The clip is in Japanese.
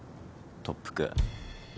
特服。